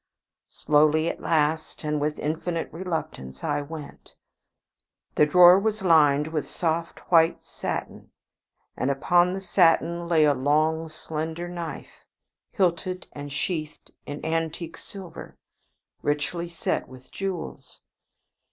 Slowly at last, and with infinite reluctance, I went. The drawer was lined with soft white satin, and upon the satin lay a long, slender knife, hilted and sheathed in antique silver, richly set with jewels.